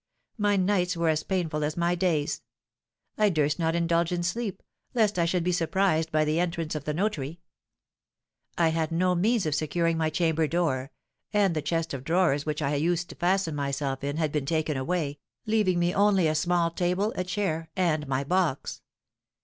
My nights were as painful as my days. I durst not indulge in sleep, lest I should be surprised by the entrance of the notary. I had no means of securing my chamber door, and the chest of drawers with which I used to fasten myself in had been taken away, leaving me only a small table, a chair, and my box.